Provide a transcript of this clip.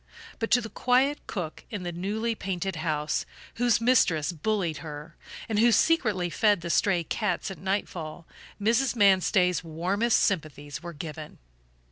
But to the quiet cook in the newly painted house, whose mistress bullied her, and who secretly fed the stray cats at nightfall, Mrs. Manstey's warmest sympathies were given.